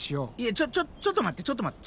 ちょちょちょっと待ってちょっと待って。